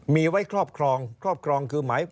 มีไว้ครอบครองครอบครองคือหมาย